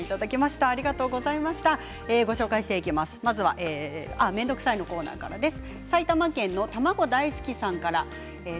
まずは「あーめんどくさい」のコーナーからです。